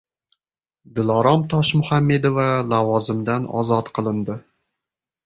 Dilorom Toshmuhammedova lavozimidan ozod qilindi